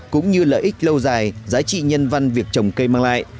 cũng như lợi ích lâu dài giá trị nhân văn việc trồng cây mang lại